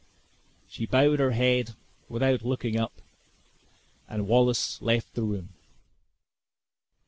She bowed her head without looking up, and Wallace left the room.